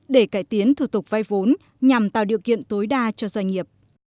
để cải tiến thuật tục vai vốn nhằm tạo điều kiện tối đa cho doanh nghiệp